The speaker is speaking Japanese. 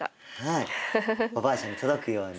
はいおばあちゃんに届くように。